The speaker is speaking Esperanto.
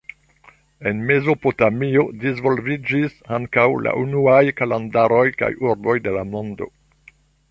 En Mezopotamio disvolviĝis ankaŭ la unuaj kalendaroj kaj urboj de la mondo.